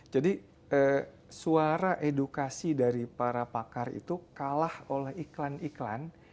jadi suara edukasi dari para pakar itu kalah oleh iklan iklan